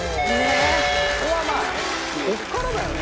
ここからだよね。